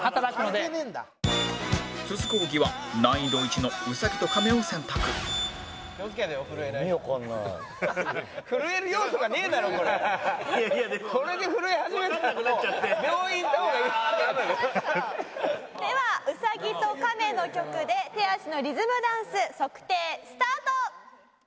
では『うさぎとかめ』の曲で手足のリズムダンス測定スタート。